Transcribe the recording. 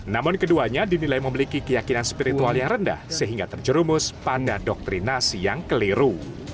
namun keduanya dinilai memiliki keyakinan spiritual yang rendah sehingga terjerumus pada doktrinasi yang keliru